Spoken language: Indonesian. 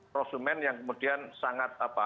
produsen yang kemudian sangat apa